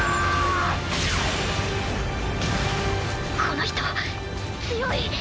この人強い。